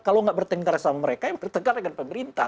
kalau nggak bertengkar sama mereka ya bertengkar dengan pemerintah